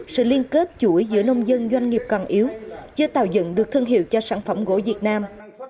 sự liên kết chuỗi giữa nông dân doanh nghiệp còn yếu chưa tạo dựng được thương hiệu cho sản phẩm gỗ việt nam